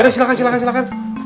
udah silahkan silahkan silahkan